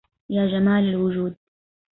يا جمال الوجود